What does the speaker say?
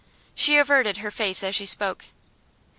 She averted her face as she spoke.